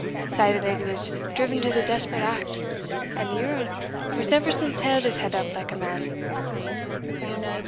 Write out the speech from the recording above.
Sae the leddy was driven to the desperate act, and the yerl has never since held his head up like a man."